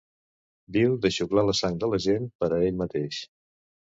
Viu de xuclar la sang de la gent per a ell mateix.